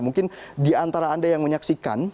mungkin di antara anda yang menyaksikan